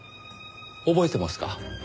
覚えてますか？